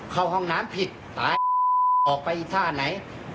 เข้าห้องน้ำผิดตายออกไปท่าไหน